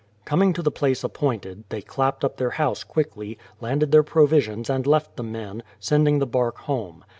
Coming to the place appointed, they clapped up their house quickly, landed their provisions and left the men, sending the bark home.